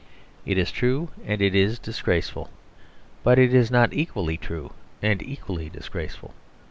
It is true, and it is disgraceful. But it is not equally true and equally disgraceful.